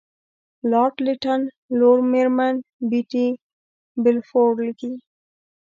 لارډ لیټن لور میرمن بیټي بالفور لیکي.